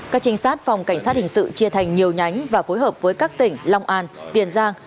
các trinh sát phòng cảnh sát hình sự chia thành nhiều nhánh và phối hợp với các tỉnh long an tiền giang